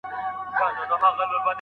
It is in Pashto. مرګ د اوبو وار دی نن پر ما سبا پر تا.